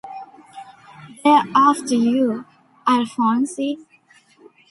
Their After you, Alphonse.